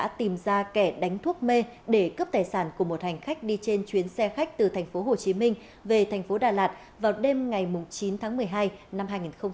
đã tìm ra kẻ đánh thuốc mê để cấp tài sản của một hành khách đi trên chuyến xe khách từ thành phố hồ chí minh về thành phố đà lạt vào đêm ngày chín tháng một mươi hai năm hai nghìn một mươi chín